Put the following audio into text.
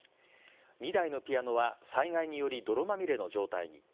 ２台のピアノは災害により泥まみれの状態に。